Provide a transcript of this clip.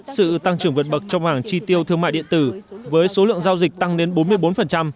sự tăng trưởng vượt bậc trong hàng chi tiêu thương mại điện tử với số lượng giao dịch tăng đến bốn mươi bốn